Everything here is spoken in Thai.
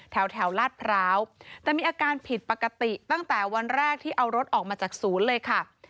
แถวลาดพร้าวแต่มีอาการผิดปกติตั้งแต่วันแรกที่เอารถออกมาจากศูนย์เลยค่ะ